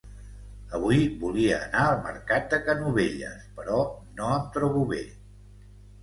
avui volia anar al mercat de Canovelles però no em trobo bé